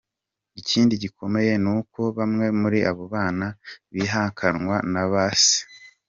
Ikindi gikomeye ni uko bamwe muri abo bana bihakanwa na ba se.